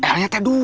l nya t dua tuh